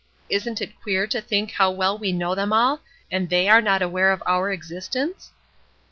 Isn't it queer to think how well we know them all, and they are not aware of our existence?"